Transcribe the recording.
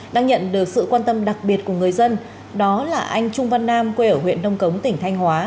đang nhận được sự quan tâm đặc biệt của người dân đó là anh trung văn nam quê ở huyện đông cống tỉnh thanh hóa